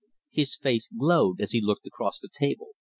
His face glowed as he looked across the table.